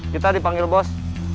kita dipanggil bos